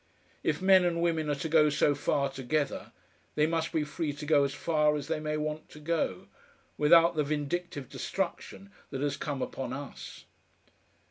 If men and women are to go so far together, they must be free to go as far as they may want to go, without the vindictive destruction that has come upon us.